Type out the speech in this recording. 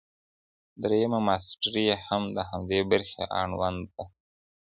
درېيمه ماسټري يې هم د همدې برخې اړوند وه.